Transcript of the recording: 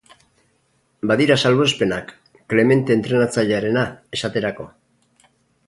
Badira salbuespenak, Clemente entrenatzailearena, esaterako.